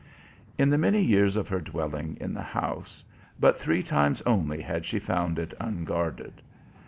In the many years of her dwelling in the house, but three times only had she found it unguarded.